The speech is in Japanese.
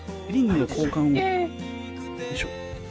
よいしょ。